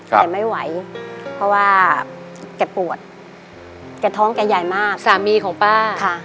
แต่ไม่ไหวเพราะว่าแกปวดแกท้องแกใหญ่มากสามีของป้าค่ะ